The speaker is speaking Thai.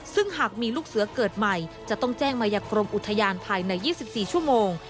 ซึ่งหากมีลูกเสือเกิดใหม่จะต้องแจ้งมาอย่างกรมอุทยานภายใน๒๔ชั่วโมง